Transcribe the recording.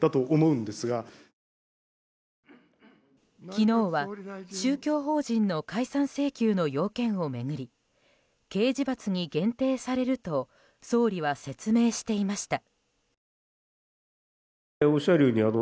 昨日は宗教法人の解散請求の要件を巡り刑事罰に限定されると総理は説明していました。